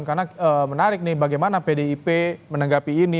karena menarik nih bagaimana pdip menanggapi ini